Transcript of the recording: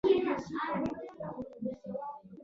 تر کله به موږ د غفلت په خوب ويده يو؟